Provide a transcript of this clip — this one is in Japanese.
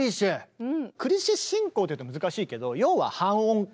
クリシェ進行って言うと難しいけど要は半音階。